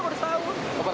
oh pada sahur